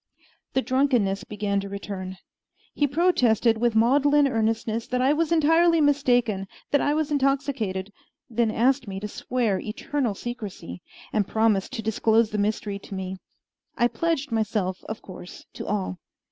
The drunkenness began to return. He protested with maudlin earnestness that I was entirely mistaken that I was intoxicated; then asked me to swear eternal secrecy, and promised to disclose the mystery to me. I pledged myself, of course, to all.